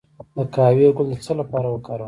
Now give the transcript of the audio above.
د قهوې ګل د څه لپاره وکاروم؟